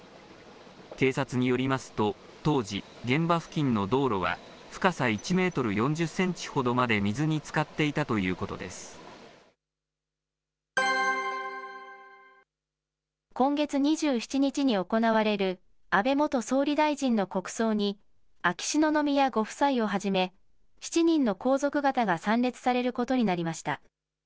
警察によりますと、当時、現場付近の道路は深さ１メートル４０センチほどまで水につかって今月２７日に行われる安倍元総理大臣の国葬に、秋篠宮ご夫妻をはじめ、７人の皇族方が参列されることになりました。